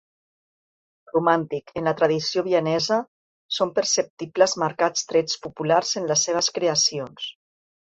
Romàntic en la tradició vienesa, són perceptibles marcats trets populars en les seves creacions.